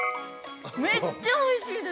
めっちゃおいしいです。